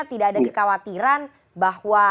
tidak ada kekhawatiran bahwa